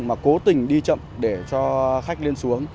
mà cố tình đi chậm để cho khách lên xuống